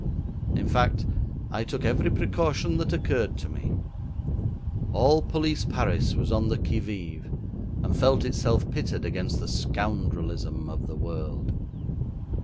In fact, I took every precaution that occurred to me. All police Paris was on the qui vive, and felt itself pitted against the scoundrelism of the world.